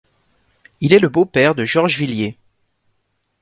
Il est le beau-père de Georges Villiers.